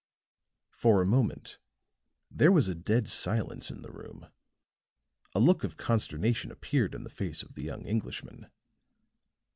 For a moment there was a dead silence in the room; a look of consternation appeared in the face of the young Englishman.